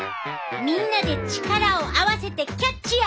みんなで力を合わせてキャッチや！